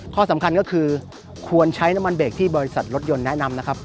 ข้อสำคัญก็คือควรใช้น้ำมันเบรกที่บริษัทรถยนต์แนะนำนะครับ